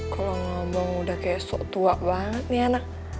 kalau ngomong udah kayak sok tua banget nih anak